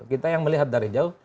kita yang melihat dari jauh